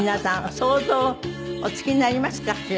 想像おつきになりますかしら？